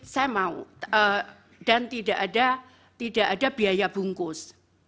saya mau dan tidak ada biaya bungkus